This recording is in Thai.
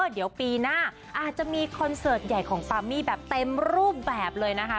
เดี๋ยวปีหน้าอาจจะมีคอนเสิร์ตใหญ่ของปามี่แบบเต็มรูปแบบเลยนะคะ